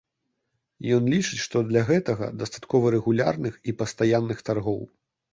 Ён лічыць, што для гэтага дастаткова рэгулярных і пастаянных таргоў.